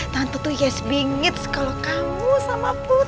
tante tuh yes bingit kalau kamu sama pun